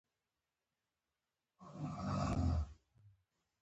د زردالو مربا خوندوره وي.